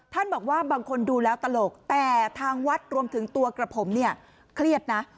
บอกว่าบางคนดูแล้วตลกแต่ทางวัดรวมถึงตัวกระผมเนี่ยเครียดนะ